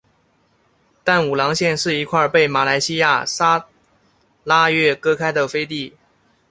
淡武廊县是一块被马来西亚砂拉越割开的飞地。